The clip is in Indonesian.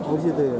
oh gitu ya